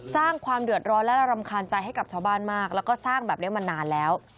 สร้างความเดือดร้อนและรำคาญใจให้กับชาวบ้านมากแล้วก็สร้างแบบนี้มานานแล้ว